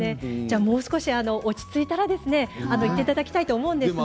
もう少し落ち着いたら行っていただきたいんですが。